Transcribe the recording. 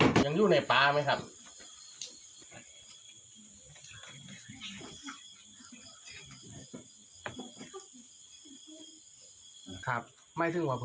อยากหยุดในปลาไหมครับ